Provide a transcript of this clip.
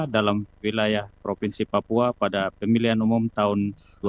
dalam wilayah provinsi papua pada pemilihan umum tahun dua ribu sembilan belas